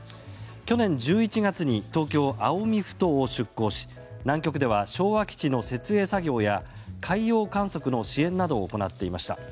去年１１月に東京・青海ふ頭を出港し南極では昭和基地の設営作業や海洋観測の支援などを行っていました。